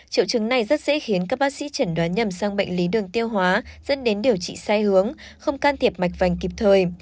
triệu chứng này rất dễ khiến các bác sĩ chẩn đoán nhầm sang bệnh lý đường tiêu hóa dẫn đến điều trị sai hướng không can thiệp mạch vành kịp thời